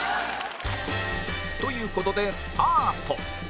という事でスタート